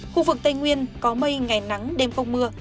khu vực tây nguyên có mây ngày nắng đêm không mưa